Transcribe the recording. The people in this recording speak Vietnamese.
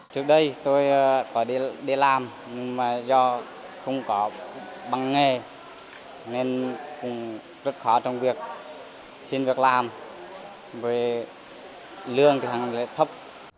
trước đây tôi có đi làm nhưng mà do không có bằng nghề nên cũng rất khó trong việc xin việc làm vì lương thật là thấp